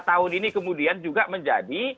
tahun ini kemudian juga menjadi